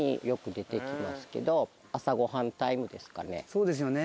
そうですよね。